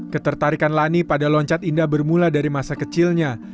ketertarikan lani pada loncat indah bermula dari masa kecilnya